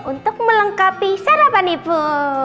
untuk melengkapi sarapan ibu